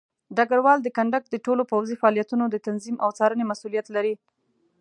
ډګروال د کندک د ټولو پوځي فعالیتونو د تنظیم او څارنې مسوولیت لري.